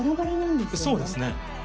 そうですね。